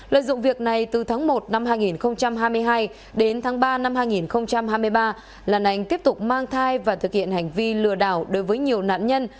lợi dụng việc này từ tháng một năm hai nghìn hai mươi hai đến tháng ba năm hai nghìn hai mươi ba lan anh tiếp tục mang thai và thực hiện hành vi lừa đảo đối với nhiều nạn nhân